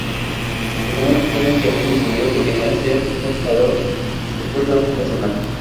Desde muy pequeño Kevin decidió que quería ser un jugador de fútbol profesional.